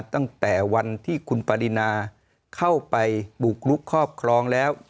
ตั้งแต่วันที่คุณปรินาเข้าไปบุกลุกครอบครองแล้ว